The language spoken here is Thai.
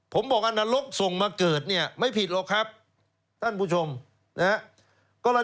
ผมบอกว่านรกส่งมาเกิดเนี่ยไม่ผิดหรอกครับท่านผู้ชมนะฮะ